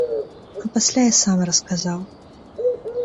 А пасля я сам расказаў.